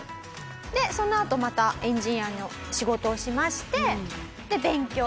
でそのあとまたエンジニアの仕事をしましてで勉強。